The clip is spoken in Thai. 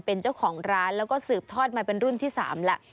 เป็นเจ้าของร้านแล้วก็สืบทอดมาเป็นรุ่นที่๓แล้ว